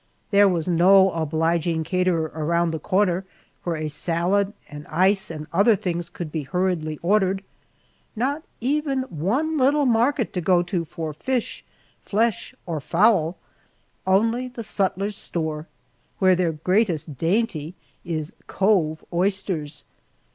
There was no obliging caterer around the corner where a salad, an ice, and other things could be hurriedly ordered; not even one little market to go to for fish, flesh, or fowl; only the sutler's store, where their greatest dainty is "cove" oysters!